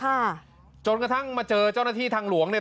ค่ะจนกระทั่งมาเจอเจ้าหน้าที่ทางหลวงเนี่ย